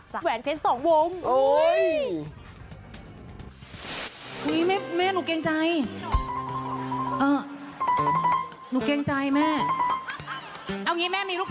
แหวนเฟซสองวง